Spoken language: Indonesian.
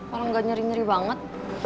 orang gak nyeri nyeri banget